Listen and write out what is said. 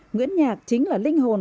nguyễn nhạc chính là linh hồn